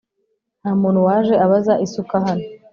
nta muntu waje abaza isuka hano